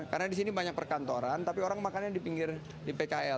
karena di sini banyak perkantoran tapi orang makannya di pinggir pkl